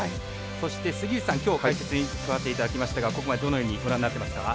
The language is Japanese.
そして、杉内さんきょう解説に加わっていただきましたがここまでどのようにご覧になってますか？